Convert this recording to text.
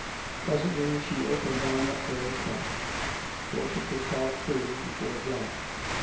Presently she opened on that very point; for she could talk freely before Janet.